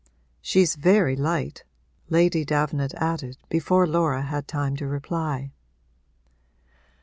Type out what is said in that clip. She's very light!' Lady Davenant added before Laura had time to reply.